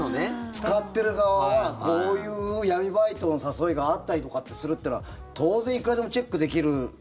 使ってる側がこういう闇バイトの誘いがあったりとかするってのは、当然いくらでもチェックできる。